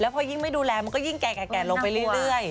พอยิ่งไม่ดูแลมันจะแกะลงไปเรื่อย